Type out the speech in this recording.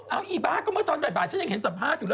เอาอีบ้าก็เมื่อตอนบ่ายฉันยังเห็นสัมภาษณ์อยู่แล้ว